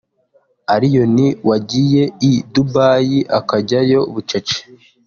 Allioni wagiye i Dubai akajyayo bucece